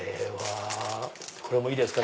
これもいいですか？